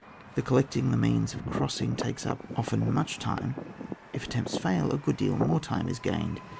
The collecting the means of crossing, takes up often much time ; if several attempts fail a good deal more time is gained.